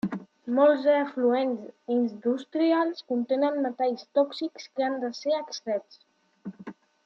Molts efluents industrials contenen metalls tòxics que han de ser extrets.